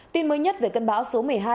tin mới nhất về cân báo số một mươi hai